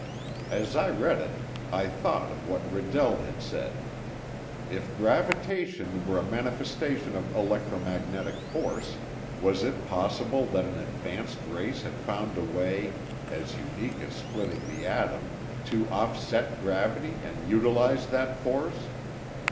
As I read it, I thought of what Redell had said. If gravitation were a manifestation of electromagnetic force, was it possible that an advanced race had found a way—as unique as splitting the atom—to offset gravity and utilize that force?